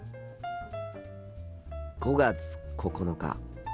５月９日。